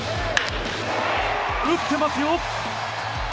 打ってますよ！